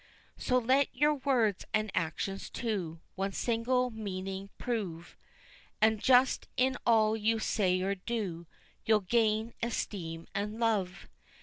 So let your words and actions, too, one single meaning prove, And just in all you say or do, you'll gain esteem and love.